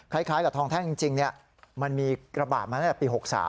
คล้ายกับทองแท่งจริงมันมีกระบาดมาตั้งแต่ปี๖๓